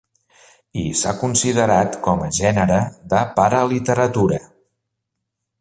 I s'ha considerat com a gènere de paraliteratura.